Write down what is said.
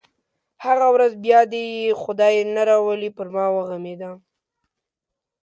هغه ورځ بیا دې یې خدای نه راولي پر ما وغمېده.